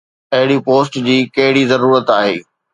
اهڙي پوسٽ جي ڪهڙي ضرورت آهي؟